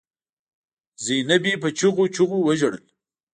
زينبې په چيغو چيغو وژړل.